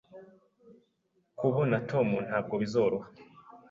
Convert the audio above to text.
Kubona Tom ntabwo bizoroha.